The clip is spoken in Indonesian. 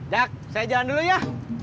dak saya jalan dulu ya